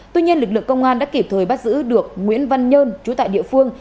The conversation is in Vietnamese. tuy nhiên lực lượng công an đã kịp thời bắt giữ được nguyễn văn nhơn chú tại địa phương